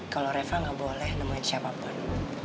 kalo reva gak boleh nemuin siapa pun